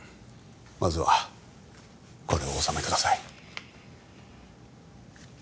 まずはこれをお納めください